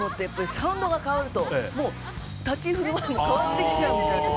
サウンドが変わると立ち振る舞いも変わってきちゃうみたい。